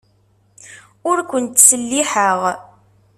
Ur ken-ttselliḥeɣ.